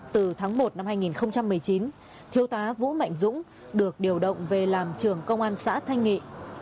từ tháng một năm hai nghìn một mươi chín thiếu tá vũ mạnh dũng được điều động về làm trưởng công an xã thanh nghị